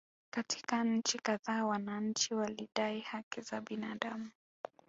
Katika nchi kadhaa wananchi walidai haki za binadamu